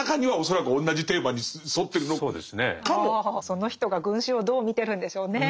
その人が群衆をどう見てるんでしょうね。